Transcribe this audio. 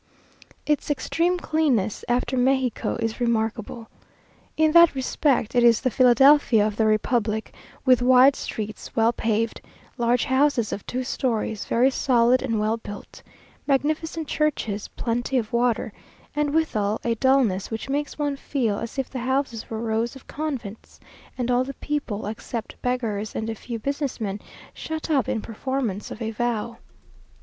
Its extreme cleanness after Mexico is remarkable. In that respect it is the Philadelphia of the republic; with wide streets, well paved; large houses of two stories, very solid and well built; magnificent churches, plenty of water, and withal a dullness which makes one feel as if the houses were rows of convents, and all the people, except beggars and a few business men, shut up in performance of a vow.